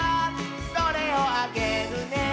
「それをあげるね」